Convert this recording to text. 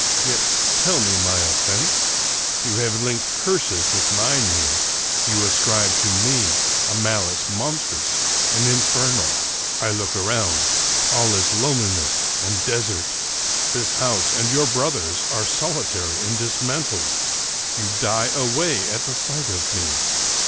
Yet tell me my oflEense ! You have linked curses with my name ; you ascribe to me a malice monstrous and infernal. I look around : all is loneliness and desert! This house and your brother's are solitary and dismantled ! You die away at the sight of me